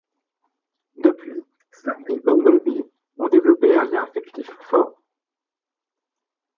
Depuis, Sam et Bumblebee ont développé un lien affectif fort.